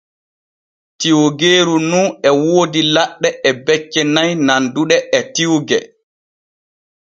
Tiwgeeru nu e woodi laɗɗe e becce nay nanduɗe e tiwge.